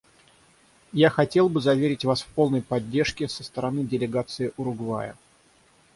Я хотел бы заверить Вас в полной поддержке со стороны делегации Уругвая.